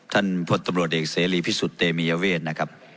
พลตำรวจเอกเสรีพิสุทธิ์เตมียเวทนะครับ